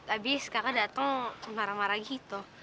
abis kakak datang marah marah gitu